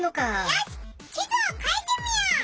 よし地図を書いてみよう！